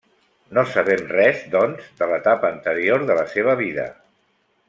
No sabem res, doncs, de l’etapa anterior de la seva vida.